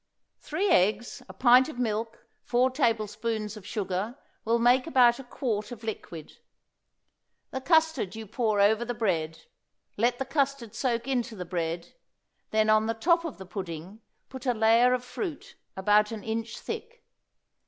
Three eggs, a pint of milk, four tablespoons of sugar, will make about a quart of liquid. The custard you pour over the bread; let the custard soak into the bread; then on the top of the pudding put a layer of fruit about an inch thick.